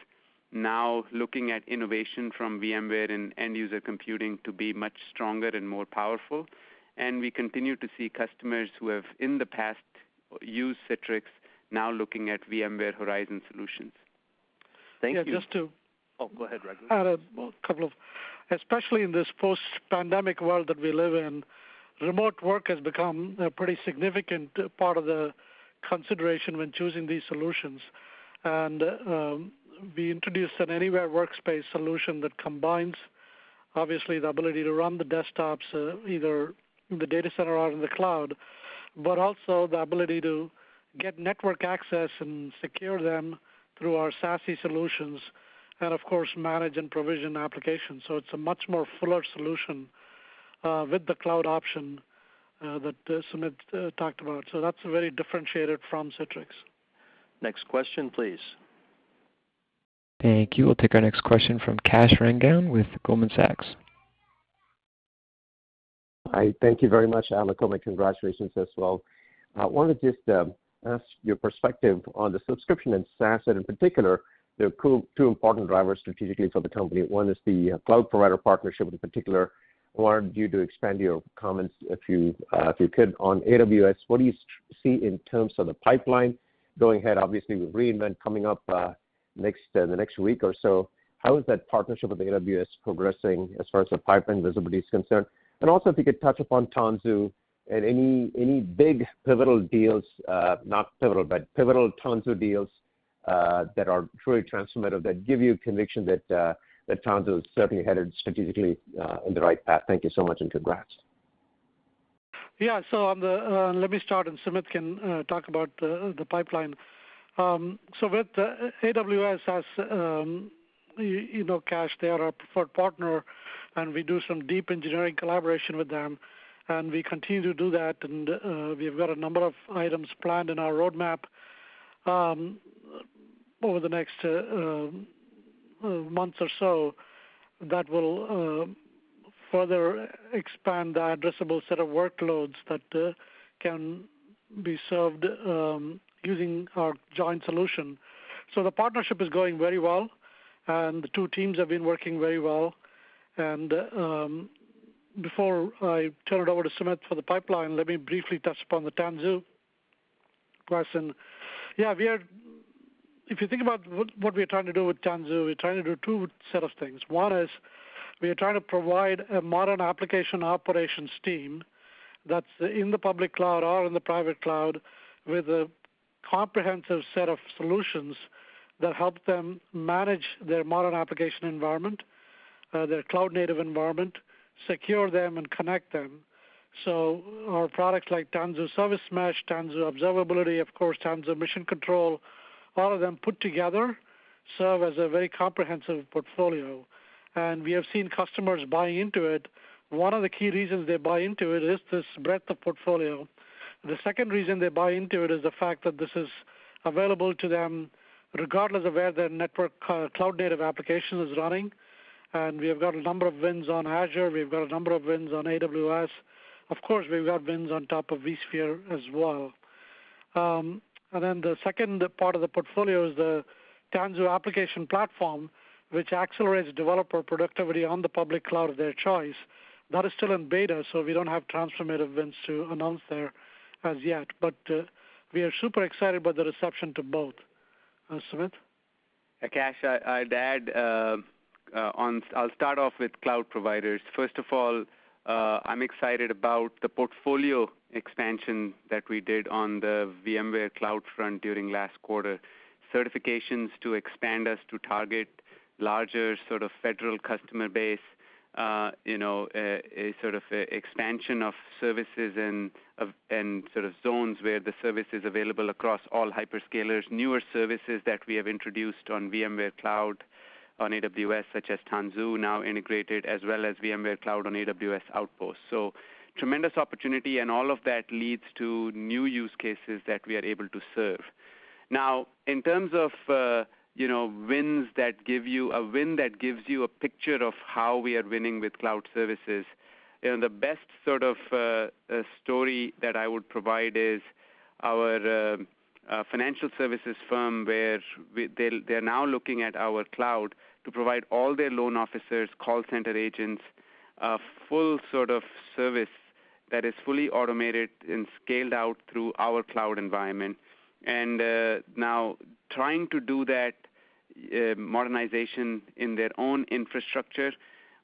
now looking at innovation from VMware and End-User Computing to be much stronger and more powerful, and we continue to see customers who have, in the past, used Citrix now looking at VMware Horizon solutions. Thank you. Yeah, just to. Oh, go ahead, Raghu. Especially in this post-pandemic world that we live in, remote work has become a pretty significant part of the consideration when choosing these solutions. We introduced an Anywhere Workspace solution that combines obviously the ability to run the desktops, either in the data center or in the cloud, but also the ability to get network access and secure them through our SASE solutions and of course, manage and provision applications. It's a much more fuller solution with the cloud option that Sumit talked about. That's very differentiated from Citrix. Next question, please. Thank you. We'll take our next question from Kash Rangan with Goldman Sachs. Hi. Thank you very much. I'll add my congratulations as well. I want to just ask your perspective on the subscription and SaaS, and in particular, the two important drivers strategically for the company. One is the cloud provider partnership in particular. I wanted you to expand your comments if you could on AWS. What do you see in terms of the pipeline going ahead? Obviously, with re:Invent coming up next week or so, how is that partnership with AWS progressing as far as the pipeline visibility is concerned? And also, if you could touch upon Tanzu and any big pivotal Tanzu deals that are truly transformative, that give you conviction that Tanzu is certainly headed strategically in the right path. Thank you so much and congrats. Yeah. Let me start and Sumit can talk about the pipeline. With AWS, you know, Kash, they are our preferred partner, and we do some deep engineering collaboration with them, and we continue to do that. We've got a number of items planned in our roadmap over the next month or so that will further expand the addressable set of workloads that can be served using our joint solution. The partnership is going very well, and the two teams have been working very well. Before I turn it over to Sumit for the pipeline, let me briefly touch upon the Tanzu question. Yeah, we are. If you think about what we are trying to do with Tanzu, we're trying to do two set of things. One is we are trying to provide a modern application operations team that's in the public cloud or in the private cloud with a comprehensive set of solutions that help them manage their modern application environment, their cloud native environment, secure them and connect them. Our products like Tanzu Service Mesh, Tanzu Observability, of course, Tanzu Mission Control, all of them put together serve as a very comprehensive portfolio. We have seen customers buy into it. One of the key reasons they buy into it is this breadth of portfolio. The second reason they buy into it is the fact that this is available to them regardless of where their network, cloud native application is running. We have got a number of wins on Azure. We've got a number of wins on AWS. Of course, we've got wins on top of vSphere as well. The second part of the portfolio is the Tanzu Application Platform, which accelerates developer productivity on the public cloud of their choice. That is still in beta, so we don't have transformative wins to announce there as yet. We are super excited about the reception to both. Sumit. Kash, I'd add on. I'll start off with cloud providers. First of all, I'm excited about the portfolio expansion that we did on the VMware Cloud front during last quarter. Certifications to expand us to target larger sort of federal customer base, you know, a sort of expansion of services and zones where the service is available across all hyperscalers. Newer services that we have introduced on VMware Cloud on AWS, such as Tanzu, now integrated, as well as VMware Cloud on AWS Outposts. Tremendous opportunity, and all of that leads to new use cases that we are able to serve. Now, in terms of, you know, wins that give you a picture of how we are winning with cloud services, you know, the best sort of story that I would provide is our financial services firm, where they're now looking at our cloud to provide all their loan officers, call center agents, a full sort of service that is fully automated and scaled out through our cloud environment. Now trying to do that modernization in their own infrastructure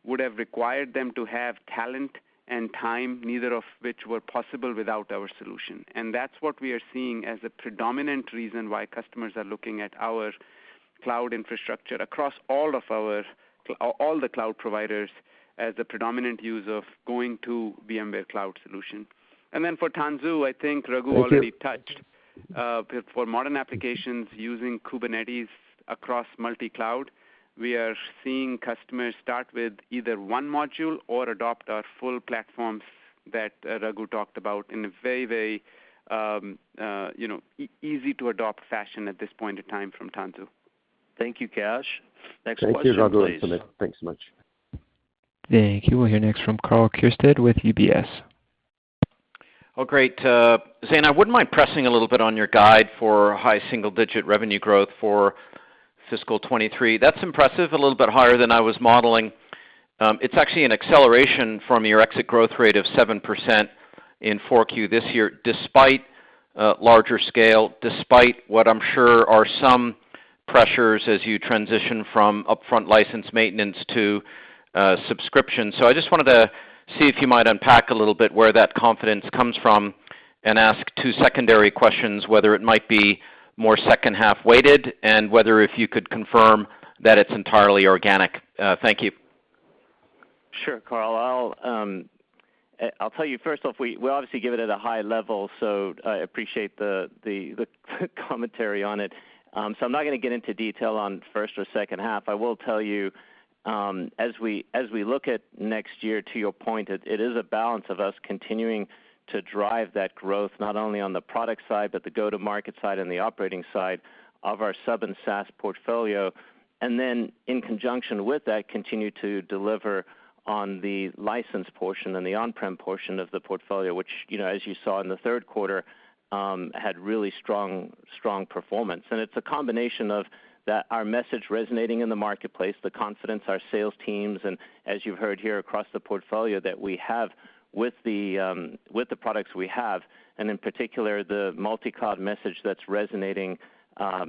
would have required them to have talent and time, neither of which were possible without our solution. That's what we are seeing as a predominant reason why customers are looking at our cloud infrastructure across all the cloud providers as a predominant reason for going to VMware Cloud solution. For Tanzu, I think Raghu already touched. For modern applications using Kubernetes across multi-cloud, we are seeing customers start with either one module or adopt our full platforms that Raghu talked about in a very you know easy to adopt fashion at this point in time from Tanzu. Thank you, Kash. Next question, please. Thank you, Raghu and Sumit. Thanks so much. Thank you. We'll hear next from Karl Keirstead with UBS. Well, great. Zane, I wouldn't mind pressing a little bit on your guide for high single-digit revenue growth for fiscal 2023. That's impressive. A little bit higher than I was modeling. It's actually an acceleration from your exit growth rate of 7% in 4Q this year, despite larger scale, despite what I'm sure are some pressures as you transition from upfront license maintenance to subscription. I just wanted to see if you might unpack a little bit where that confidence comes from and ask two secondary questions, whether it might be more second half-weighted, and whether if you could confirm that it's entirely organic. Thank you. Sure, Karl, I'll tell you first off, we obviously give it at a high level, so I appreciate the commentary on it. I'm not gonna get into detail on first or second half. I will tell you, as we look at next year, to your point, it is a balance of us continuing to drive that growth, not only on the product side but the go-to-market side and the operating side of our sub and SaaS portfolio. In conjunction with that, continue to deliver on the license portion and the on-prem portion of the portfolio, which, you know, as you saw in the third quarter, had really strong performance. It's a combination of that, our message resonating in the marketplace, the confidence our sales teams, and as you've heard here across the portfolio that we have with the products we have, and in particular, the multi-cloud message that's resonating,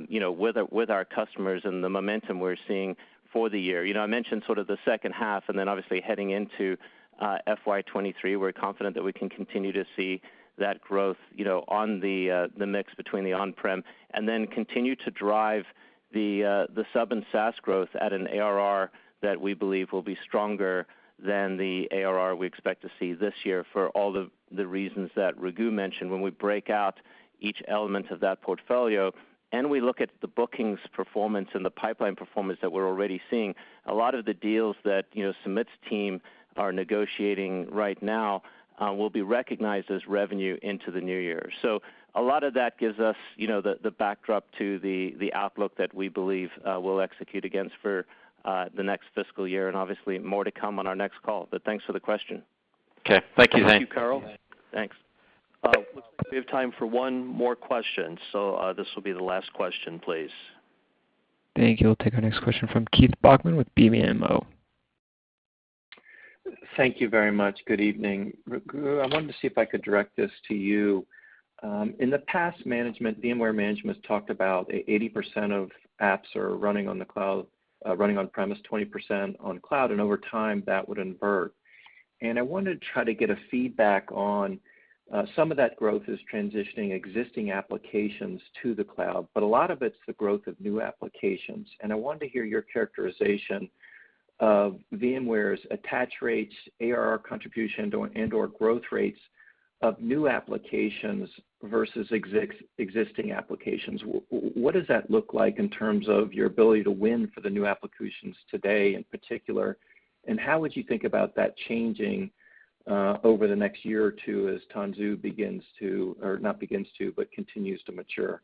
you know, with our customers and the momentum we're seeing for the year. You know, I mentioned sort of the second half, and then obviously heading into FY 2023, we're confident that we can continue to see that growth, you know, on the mix between the on-prem, and then continue to drive the sub and SaaS growth at an ARR that we believe will be stronger than the ARR we expect to see this year for all the reasons that Raghu mentioned. When we break out each element of that portfolio, and we look at the bookings performance and the pipeline performance that we're already seeing, a lot of the deals that, you know, Sumit's team are negotiating right now, will be recognized as revenue into the new year. A lot of that gives us, you know, the backdrop to the outlook that we believe, we'll execute against for, the next fiscal year, and obviously more to come on our next call. Thanks for the question. Okay. Thank you. Thank you, Karl. Thanks. Looks like we have time for one more question, so this will be the last question, please. Thank you. We'll take our next question from Keith Bachman with BMO. Thank you very much. Good evening. Raghu, I wanted to see if I could direct this to you. In the past, management, VMware management talked about 80% of apps are running on the cloud, running on-premise, 20% on cloud, and over time, that would invert. I wanted to try to get a feedback on, some of that growth is transitioning existing applications to the cloud, but a lot of it's the growth of new applications. I wanted to hear your characterization of VMware's attach rates, ARR contribution and/or growth rates of new applications versus existing applications. What does that look like in terms of your ability to win for the new applications today, in particular, and how would you think about that changing, over the next year or two as Tanzu begins to, or not begins to, but continues to mature?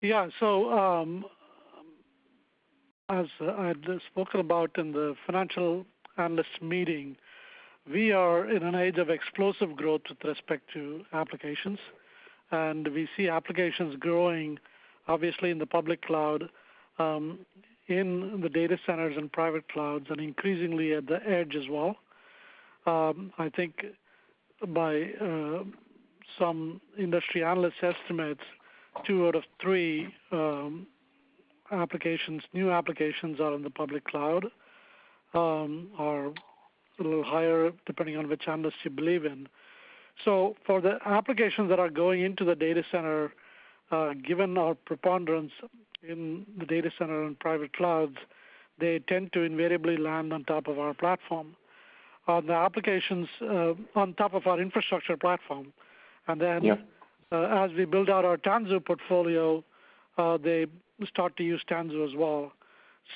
Yeah. As I had spoken about in the financial analyst meeting, we are in an age of explosive growth with respect to applications. We see applications growing, obviously in the public cloud, in the data centers and private clouds, and increasingly at the edge as well. I think, by some industry analysts' estimate, 2/3 new applications are in the public cloud, a little higher depending on which analyst you believe in. For the applications that are going into the data center, given our preponderance in the data center and private clouds, they tend to invariably land on top of our platform. The applications on top of our infrastructure platform and then. Yeah. As we build out our Tanzu portfolio, they start to use Tanzu as well.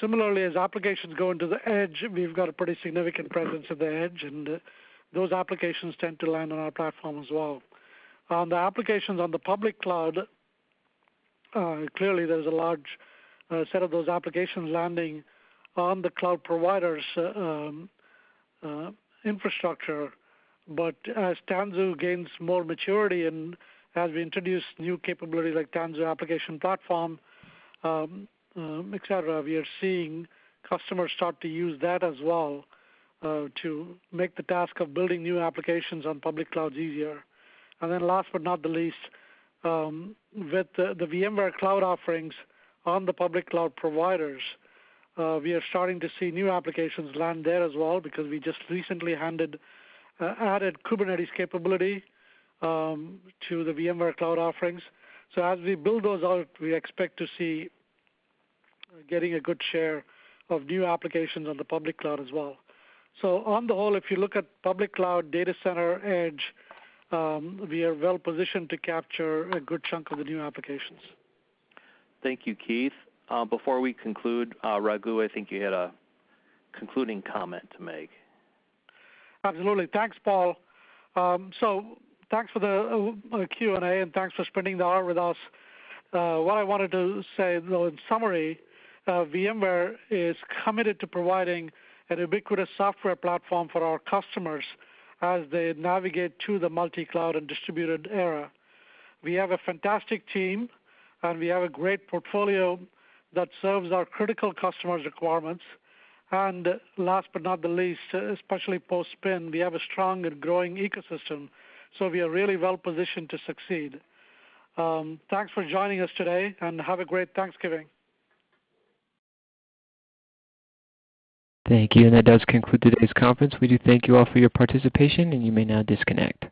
Similarly, as applications go into the edge, we've got a pretty significant presence at the edge, and those applications tend to land on our platform as well. The applications on the public cloud, clearly there's a large set of those applications landing on the cloud provider's infrastructure. As Tanzu gains more maturity and as we introduce new capabilities like Tanzu Application Platform, et cetera, we are seeing customers start to use that as well, to make the task of building new applications on public clouds easier. Last but not the least, with the VMware cloud offerings on the public cloud providers, we are starting to see new applications land there as well because we just recently added Kubernetes capability to the VMware cloud offerings. As we build those out, we expect to see getting a good share of new applications on the public cloud as well. On the whole, if you look at public cloud data center edge, we are well positioned to capture a good chunk of the new applications. Thank you, Keith. Before we conclude, Raghu, I think you had a concluding comment to make. Absolutely. Thanks, Paul. Thanks for the Q&A, and thanks for spending the hour with us. What I wanted to say, though, in summary, VMware is committed to providing an ubiquitous software platform for our customers as they navigate to the multi-cloud and distributed era. We have a fantastic team, and we have a great portfolio that serves our critical customers' requirements. Last but not the least, especially post-spin, we have a strong and growing ecosystem, so we are really well positioned to succeed. Thanks for joining us today, and have a great Thanksgiving. Thank you. That does conclude today's conference. We do thank you all for your participation, and you may now disconnect.